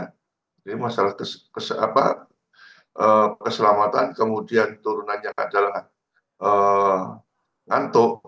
jadi masalah keselamatan kemudian turunannya adalah ngantuk